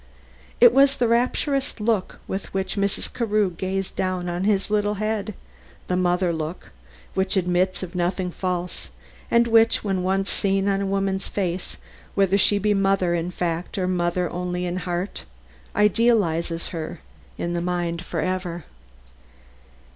It was the rapturous look with which Mrs. Carew gazed down on this little head the mother look, which admits of nothing false, and which when once seen on a woman's face, whether she be mother in fact or mother only in heart idealizes her in the mind for ever.